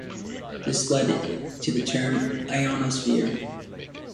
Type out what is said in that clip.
This led to the term ionosphere.